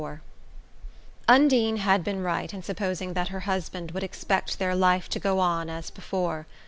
XLIV Undine had been right in supposing that her husband would expect their life to go on as before.